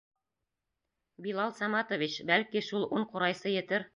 Билал Саматович, бәлки, шул ун ҡурайсы етер?